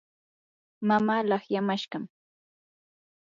mamaa laqyamashqam.